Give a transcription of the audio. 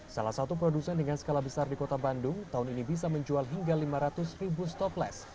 salah satu produsen dengan skala besar di kota bandung tahun ini bisa menjual hingga lima ratus ribu stopless